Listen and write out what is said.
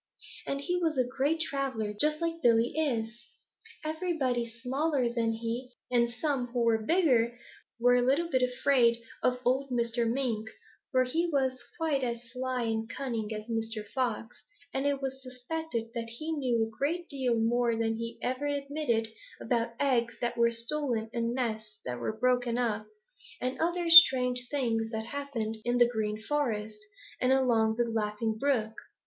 And he was a great traveler, just as Billy is. Everybody smaller than he and some who were bigger were a little bit afraid of old Mr. Mink, for he was quite as sly and cunning as Mr. Fox, and it was suspected that he knew a great deal more than he ever admitted about eggs that were stolen and nests that were broken up, and other strange things that happened in the Green Forest and along the Laughing Brook.